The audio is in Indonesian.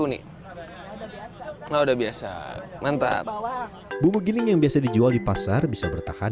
uni udah biasa menter bumbu giling yang biasa dijual di pasar bisa bertahan